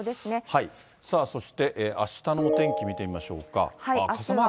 さあそして、あしたのお天気見てみましょうか。